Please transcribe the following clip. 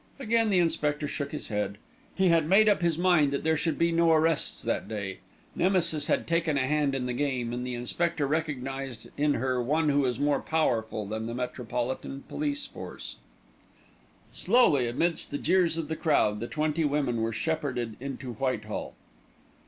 Again the inspector shook his head. He had made up his mind that there should be no arrests that day. Nemesis had taken a hand in the game, and the inspector recognized in her one who is more powerful than the Metropolitan Police Force. Slowly amidst the jeers of the crowd the twenty women were shepherded into Whitehall.